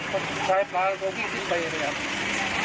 ใช้ฟันตัวพี่สิ้นไปเลยครับ